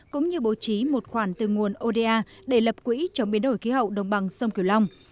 cũng như bố trí một khoản từ nguồn oda để lập quỹ chống biến đổi khí hậu đồng bằng sông cửu long